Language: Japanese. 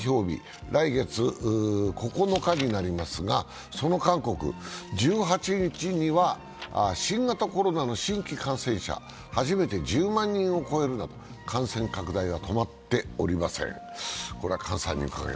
日、来月９日になりますが、その韓国、１８日には新型コロナの新規感染者、初めて１０万人を超えるなど感染拡大が止まっておりません。